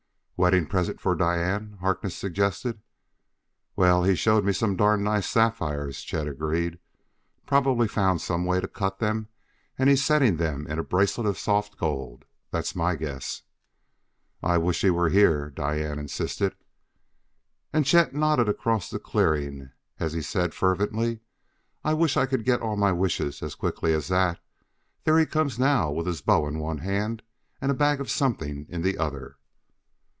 "Wedding present for Diane," Harkness suggested. "Well, he showed me some darn nice sapphires," Chet agreed. "Probably found some way to cut them and he's setting them in a bracelet of soft gold: that's my guess." "I wish he were here," Diane insisted. And Chet nodded across the clearing as he said fervently: "I wish I could get all my wishes as quickly as that. There he comes now with his bow in one hand and a bag of something in the other."